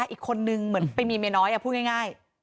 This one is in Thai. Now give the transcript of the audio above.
อีกคนนึงเหมือนไปมีเมียน้อยพูดง่าย